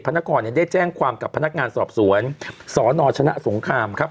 พนักครเนี่ยได้แจ้งความกับพนักงานสอบศวนสรณชนะสงครามครับ